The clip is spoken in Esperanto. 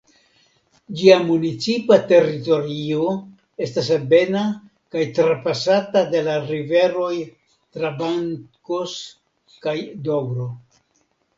Ĝia municipa teritorio estas ebena kaj trapasata de la riveroj Trabancos kaj Doŭro.